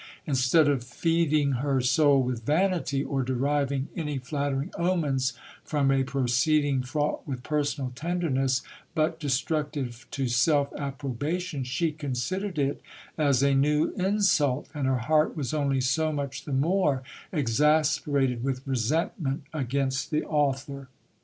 Instead cf feeding her soul with vanity, or deriving any flattering omens from a pro ceeding fraught with personal tenderness, but destructive to self approbation, she considered it as a new insult, and her heart was only so much the more ex asperated with resentment against the author.